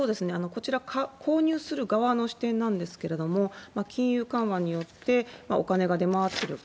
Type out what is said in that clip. こちら、購入する側の視点なんですけれども、金融緩和によってお金が出回ってる。